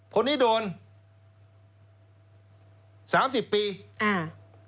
คนนี้โดนสามสิบปีอ่า